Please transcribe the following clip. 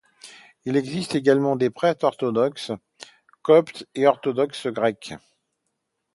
Il existe également des prêtres orthodoxes coptes et orthodoxes grecs.